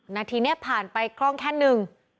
นาทีเนี่ยผ่านไปกล้องแค่๑